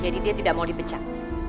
jadi dia tidak mau dipecat